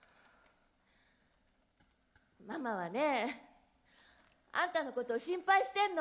ママはねあんたのことを心配してんの。